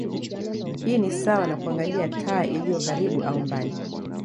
Hii ni sawa na kuangalia taa iliyo karibu au mbali.